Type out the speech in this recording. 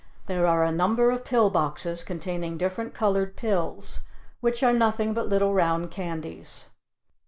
There are a number of pill boxes containing different colored pills, which are nothing but little round candies.